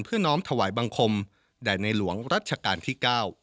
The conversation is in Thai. เพื่อน้องถวายบังคมและในหลวงรัชกาลที่๙